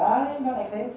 đấy nó lại thế